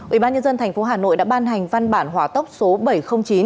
ủy ban nhân dân tp hà nội đã ban hành văn bản hỏa tốc số bảy trăm linh chín